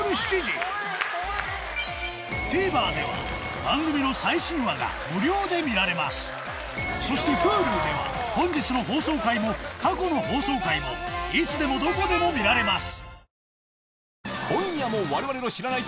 ＴＶｅｒでは番組の最新話が無料で見られますそしてＨｕｌｕでは本日の放送回も過去の放送回もいつでもどこでも見られます